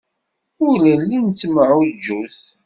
Ur nelli nettemɛujjut.